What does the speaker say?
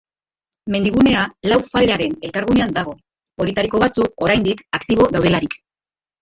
Mendigunea lau fallaren elkargunean dago, horietako batzuk oraindik aktibo daudelarik.